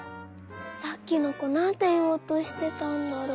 「さっきのこなんていおうとしてたんだろう」。